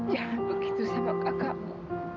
jangan begitu sama kakakmu